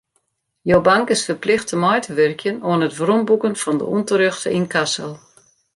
Jo bank is ferplichte mei te wurkjen oan it weromboeken fan de ûnterjochte ynkasso.